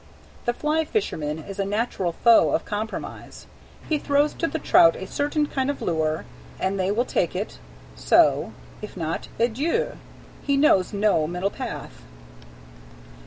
The fly fisherman is a natural Foe of Compromise. He throws to the trout a certain kind of lure; an they will take it, so; if not, adieu. He knows no middle path.